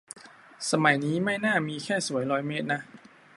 สมัยนี้ไม่น่ามีแค่สวยร้อยเมตรนะ